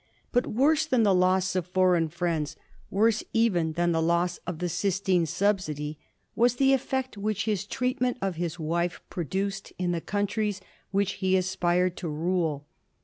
But worse than the loss of foreign friends, worse even than the loss of the Sistine subsidy, was the effect which his treatment of his wife produced in the countries which he aspired to rule.